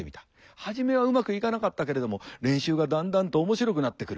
初めはうまくいかなかったけれども練習がだんだんと面白くなってくる。